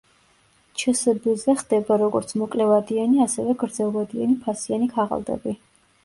ჩსბ–ზე ხდება როგორც მოკლევადიანი ასევე გრძელვადიანი ფასიანი ქაღალდებით.